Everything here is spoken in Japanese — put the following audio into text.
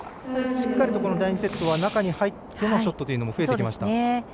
しっかりと第２セットは中に入ってのショットというのも増えてきました。